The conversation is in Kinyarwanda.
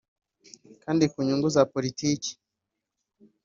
kandi ku nyungu za politiki